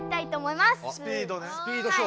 スピード勝負ね。